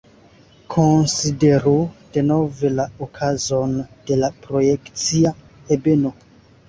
Konsideru denove la okazon de la projekcia ebeno.